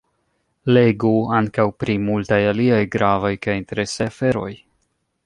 Legu ankaŭ pri multaj aliaj gravaj kaj interesaj aferoj!